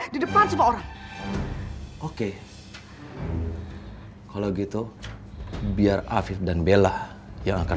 di depan semua orang oke kalau gitu biar afif dan bella yang akan